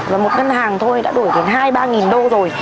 và một ngân hàng thôi đã đổi đến hai ba đô rồi